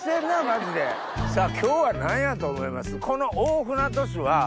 さぁ今日は何やと思います？